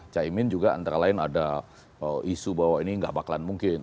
cai imin juga antara lain ada isu bahwa ini gak bakalan mungkin